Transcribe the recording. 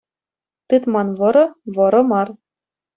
Тытман вӑрӑ — вӑрӑ мар